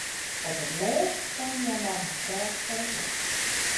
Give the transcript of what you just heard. Op 't lêst kaam hja mei har fraach foar it ljocht.